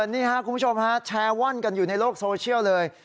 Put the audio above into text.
นี่ครับคุณผู้ชมฮะแชร์ว่อนกันอยู่ในโลกโซเชียลเลย